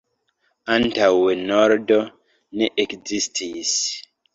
Antaŭe nordo ne ekzistis.